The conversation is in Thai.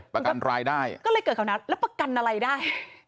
ประกันรายได้ก็เลยเกิดแถวนั้นแล้วประกันอะไรได้